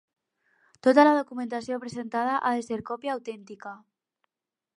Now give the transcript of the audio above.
Tota la documentació presentada ha de ser còpia autèntica.